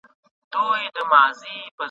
ځکه مي دا غزله ولیکله !.